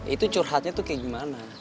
itu curhatnya tuh kayak gimana